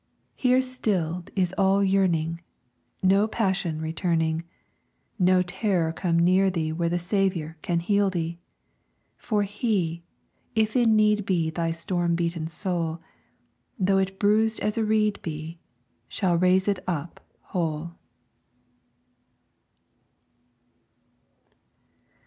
Here stilled is all yearning, No passion returning, No terror come near thee Where the Saviour can hear thee! For He, if in need be Thy storm beaten soul, Though it bruised as a reed be, Shall raise it up whole.